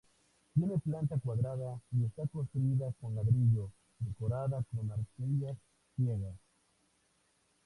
Tiene planta cuadrada y está construida con ladrillo decorada con arquerías ciegas.